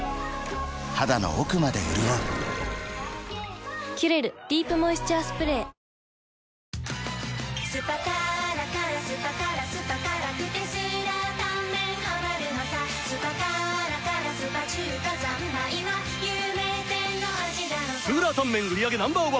肌の奥まで潤う「キュレルディープモイスチャースプレー」酸辣湯麺売上Ｎｏ．１